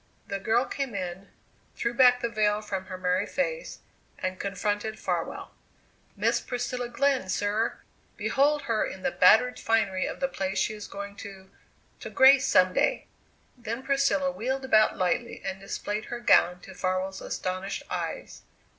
The girl came in, threw back the veil from her merry face, and confronted Farwell. "Miss Priscilla Glenn, sir! Behold her in the battered finery of the place she is going to to grace some day!" Then Priscilla wheeled about lightly and displayed her gown to Farwell's astonished eyes.